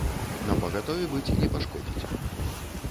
Напагатове быць не пашкодзіць.